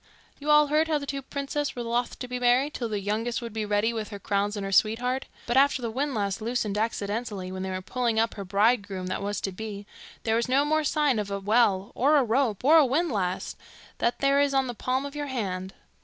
'You all heard how the two princess were loth to be married till the youngest would be ready with her crowns and her sweetheart. But after the windlass loosened accidentally when they were pulling up her bridegroom that was to be, there was no more sign of a well, or a rope, or a windlass, than there is on the palm of your hand.